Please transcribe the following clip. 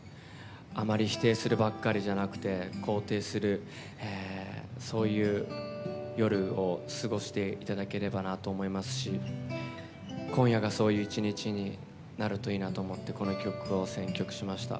あまり否定するばかりじゃなくて肯定する、そういう夜を過ごしていただければなと思いますし今夜がそういう一日になるといいなと思ってこの曲を選曲しました。